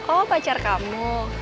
oh pacar kamu